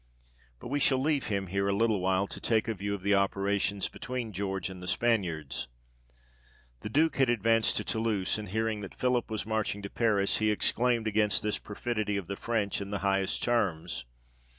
But we shall leave him here a little while, to take a view of the operations between George and the Spaniards. The Duke had advanced to Toulouse, and hearing that Philip was marching to Paris, he exclaimed 78 THE REIGN OF GEORGE VI. against this perfidy of the French in the highest terms.